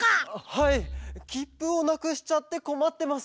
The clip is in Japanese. はいきっぷをなくしちゃってこまってます。